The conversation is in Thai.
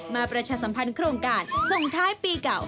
ประชาสัมพันธ์โครงการส่งท้ายปีเก่า